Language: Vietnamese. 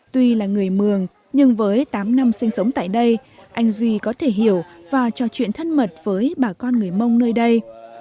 tuy là người mường nhưng với tám năm sinh sống tại đây anh duy có thể hiểu và trò chuyện thân mật với bà con người mông nơi đây